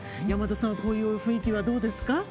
山田さん、こういう雰囲気はどうですか？